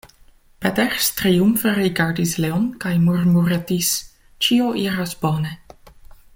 Peters triumfe rigardis Leon kaj murmuretis: Ĉio iras bone.